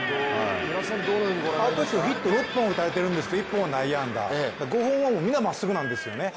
あのときはヒット６本打たれているんですけど１本は内野安打５本はみんなまっすぐなんですよね